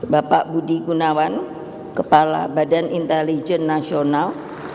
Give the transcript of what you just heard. bapak budi gunawan kepala badan intelijen nasional